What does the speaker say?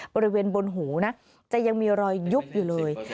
บริเวณบนหูนะจะยังมีรอยยุบอยู่เลย